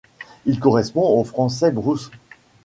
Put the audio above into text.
Il correspond au français brousse.